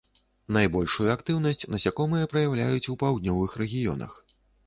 Найбольшую актыўнасць насякомыя праяўляюць у паўднёвых рэгіёнах.